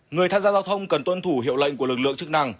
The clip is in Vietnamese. người tham gia giao thông cần tuân thủ hiệu lệnh của lực lượng chức năng